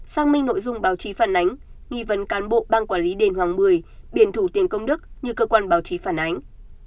xác minh nội dung báo chí phản ánh nghi vấn cán bộ ban quản lý đền hoàng mười biển thủ tiền công đức như cơ quan báo chí phản ánh